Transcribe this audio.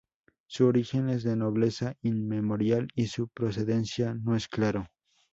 Su origen es de nobleza inmemorial y su procedencia no es claro.